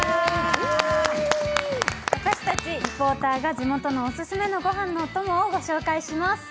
私たち、リポーターが地元のオススメのごはんのおともを紹介します。